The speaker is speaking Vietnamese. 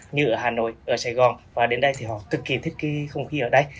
như ở hà nội ở sài gòn và đến đây thì họ cực kỳ thích cái không khí ở đây